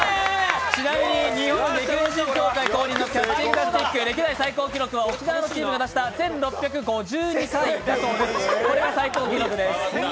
ちなみに日本レクリエーション協会公認のキャッチング・ザ・スティック歴代最高記録は沖縄のチームが出した１６５２回だそうです、これが最高記録です。